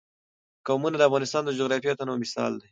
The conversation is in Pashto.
قومونه د افغانستان د جغرافیوي تنوع مثال دی.